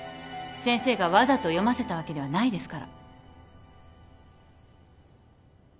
先生がわざと読ませたわけではないですから。